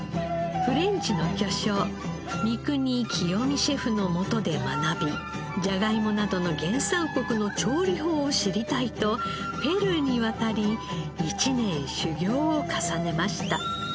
フレンチの巨匠三國清三シェフのもとで学びジャガイモなどの原産国の調理法を知りたいとペルーに渡り１年修業を重ねました。